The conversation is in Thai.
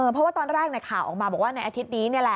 เพราะว่าตอนแรกข่าวออกมาบอกว่าในอาทิตย์นี้